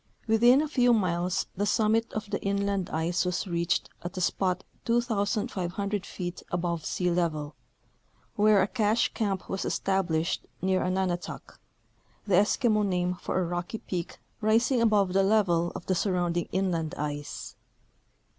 Within a few miles the summit of the inland ice was reached at a spot 2,500 feet above sea level, where a cache camp was established near a " nunatak " (the Eskimo name for a rocky peak rising above the level of the surrounding inland ice).